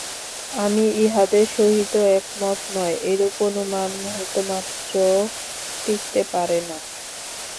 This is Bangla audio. আমি ইঁহাদের সহিত একমত নই, এরূপ অনুমান মুহূর্তমাত্রও টিকিতে পারে না।